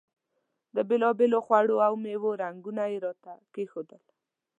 د بېلابېلو خوړو او میوو رنګونه یې راته کېښودل.